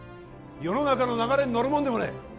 世の中の流れに乗るもんでもねえ